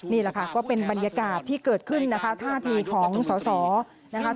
นี่แหละก็เป็นบรรยากาศที่เกิดขึ้นท่าทีของสาว